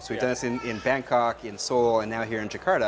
kami melakukannya di bangkok di seoul dan sekarang di jakarta